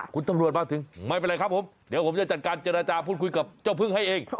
คุณตำรวจมาถึงไม่เป็นไรครับผมเดี๋ยวผมจะจัดการเจรจาพูดคุยกับเจ้าพึ่งให้เอง